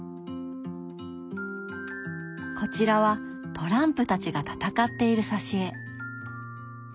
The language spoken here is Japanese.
こちらはトランプたちが戦っている挿絵。